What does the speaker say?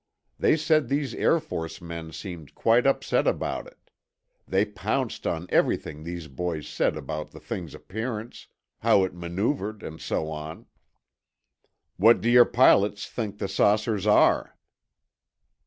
They said these Air Force men seemed quite upset about it; they pounced on everything these boys said about the thing's appearance—how it maneuvered and so on." "What do your pilots think the saucers are?"